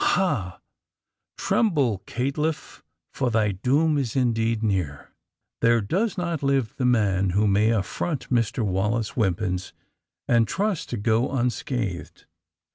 Ha ! Tremble, caitiff, for thy doom is in deed near! There does not live the man who may affront Mr. Wallace Wimpins and trust to go unscathed!"